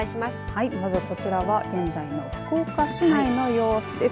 はい、まずこちらは現在の福岡市内の様子です。